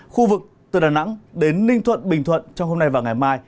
khu vực từ đà nẵng đến ninh thuận bình thuận trong hôm nay và ngày mai